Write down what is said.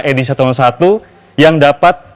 edi satu ratus satu yang dapat